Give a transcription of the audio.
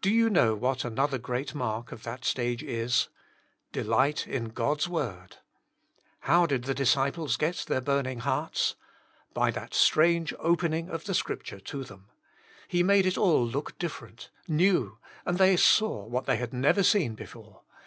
Do you know what another great mark of that stage is? Delight in God's word. How did the disciples get their burning hearts? By that strange opening of the Scripture to them. He made it all look diffeipent, — new, — and they saw what they had never seen before.